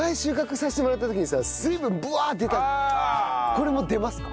これも出ますか？